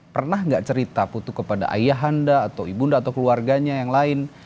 pernah nggak cerita putu kepada ayahanda atau ibunda atau keluarganya yang lain